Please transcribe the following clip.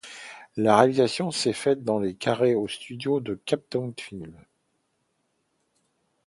La réalisation s'est faite dans les carrés aux studios de Cape Town Film.